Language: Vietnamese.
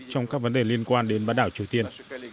trong các vấn đề liên quan đến bán đảo triều tiên